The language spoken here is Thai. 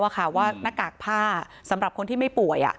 ว่าหน้ากากผ้าสำหรับคนที่ไม่ป่วย